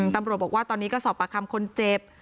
ตำรวจบอกว่าตอนนี้ก็สอบประคำคนเจ็บ